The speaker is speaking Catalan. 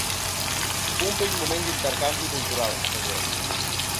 Un bell moment d’intercanvi cultural, afegeix.